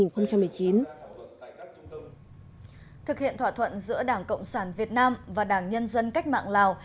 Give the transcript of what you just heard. thực hiện thỏa thuận giữa đảng cộng sản việt nam và đảng nhân dân cách mạng lào